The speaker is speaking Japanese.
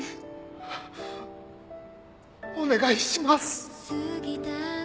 お願いします！